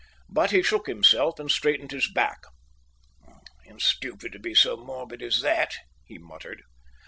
But he shook himself and straightened his back. "It's stupid to be so morbid as that," he muttered.